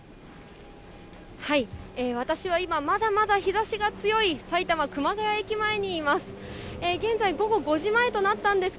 私は今、まだまだ日ざしが強い埼玉・熊谷駅前にいます。